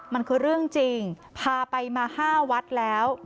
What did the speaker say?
มันคือเรื่องจริงพาไปมา๕วัดแล้ว